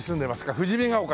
「富士見ヶ丘です」